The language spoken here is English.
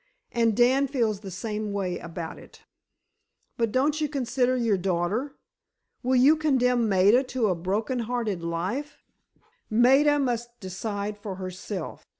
And Dan feels the same way about it." "But don't you consider your daughter? Will you condemn Maida to a broken hearted life——?" "Maida must decide for herself.